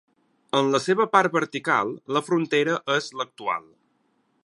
En la seva part vertical, la frontera és l'actual.